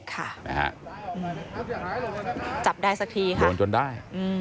จับได้สักทีครับโดนจนได้